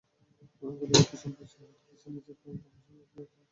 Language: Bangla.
গুলিবিদ্ধ সন্ত্রাসী আহত অবস্থায় নিজেকে আলতাফ হোসেন ওরফে সাগর হিসেবে পরিচয় দেন।